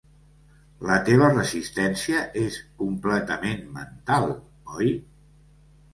La teva resistència és completament mental, oi?